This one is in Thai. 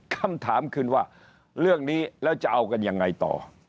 คำถามคือว่าเรื่องนี้แล้วจะเอากันยังไงต่อ